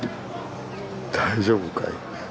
大丈夫かい？